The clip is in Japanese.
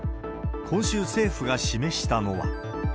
今週、政府が示したのは。